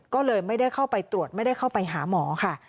ก็เลยไม่ได้เข้าไปตรวจไม่ได้เข้าไปหาหมอค่ะ